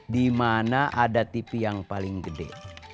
di mana ada tv yang paling gede